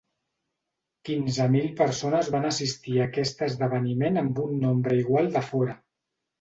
Quinze mil persones van assistir a aquest esdeveniment amb un nombre igual de fora.